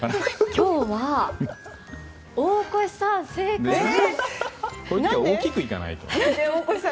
今日は大越さん、正解です！